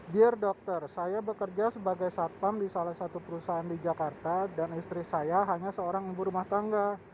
dear dokter saya bekerja sebagai satpam di salah satu perusahaan di jakarta dan istri saya hanya seorang ibu rumah tangga